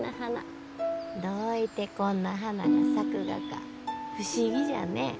どういてこんな花が咲くがか不思議じゃね。